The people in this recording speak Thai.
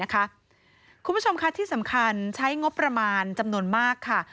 คุณผู้ชมค่ะที่สำคัญใช้งบประมาณจำนวนมากค่ะ